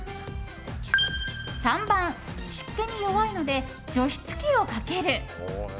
３番、湿気に弱いので除湿器をかける。